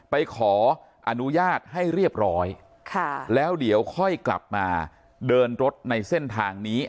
ไปขออนุญาตให้เรียบร้อยแล้วเดี๋ยวค่อยกลับมาเดินรถในเส้นทางนี้